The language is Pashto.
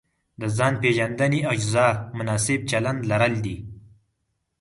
د ځان پېژندنې اجزا مناسب چلند لرل دي.